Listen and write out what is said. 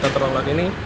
tata ruang laut ini